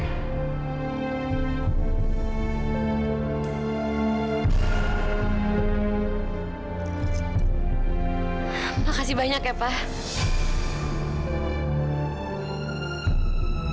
terima kasih banyak ya pak